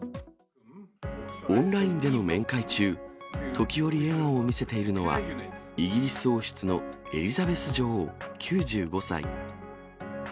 オンラインでの面会中、時折、笑顔を見せているのは、イギリス王室のエリザベス女王９５歳。